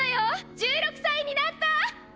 １６歳になった！